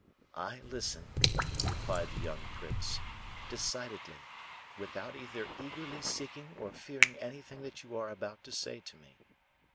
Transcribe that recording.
"I listen," replied the young prince, "decidedly, without either eagerly seeking or fearing anything you are about to say to me."